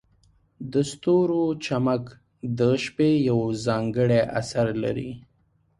د ستورو چمک د شپې یو ځانګړی اثر لري.